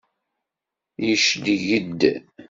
Yecleg-d.